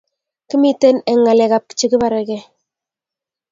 kimiten eng ngalekab chegibarege